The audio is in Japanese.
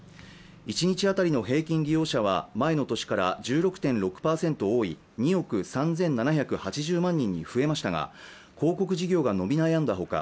一日当たりの平均利用者は前の年から１６．６％多い２億３７８０万人に増えましたが広告事業が伸び悩んだほか